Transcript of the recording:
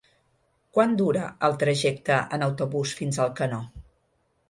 Quant dura el trajecte en autobús fins a Alcanó?